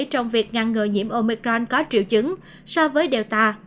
trong việc ngăn ngừa nhiễm omicron có triệu chứng so với delta